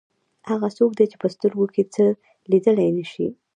هغه څوک دی چې په سترګو څه لیدلی نه شي.